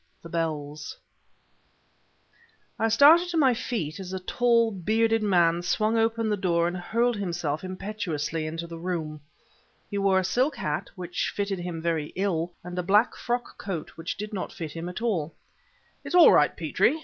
THE BELLS I started to my feet as a tall, bearded man swung open the door and hurled himself impetuously into the room. He wore a silk hat, which fitted him very ill, and a black frock coat which did not fit him at all. "It's all right, Petrie!"